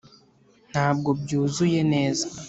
ntabwo byuzuye neza.